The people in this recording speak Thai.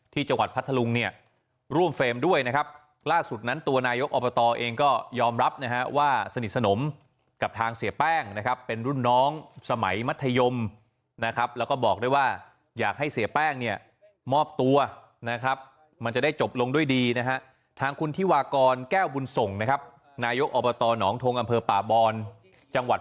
จังหวัดพัทธลุงเนี่ยร่วมเฟรมด้วยนะครับล่าสุดนั้นตัวนายกอบตเองก็ยอมรับนะฮะว่าสนิทสนมกับทางเสียแป้งนะครับเป็นรุ่นน้องสมัยมัธยมนะครับแล้วก็บอกด้วยว่าอยากให้เสียแป้งเนี่ยมอบตัวนะครับมันจะได้จบลงด้วยดีนะฮะทางคุณธิวากรแก้วบุญส่งนะครับนายกอบตหนองทงอำเภอป่าบอนจังหวัด